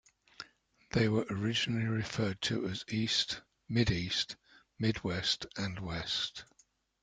They were originally referred to as East, Mideast, Midwest, and West.